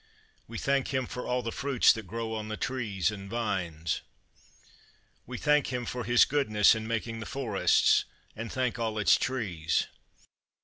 We thank Him for all the fruits that grow on the trees and vines. We thank Him for his goodness in making the forests, and thank all its trees.